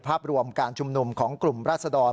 ภาพรวมการชุมนุมของกลุ่มราศดร